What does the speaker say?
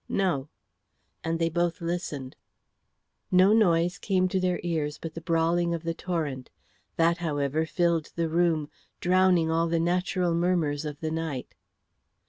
"No." And they both listened. No noise came to their ears but the brawling of the torrent. That, however, filled the room, drowning all the natural murmurs of the night.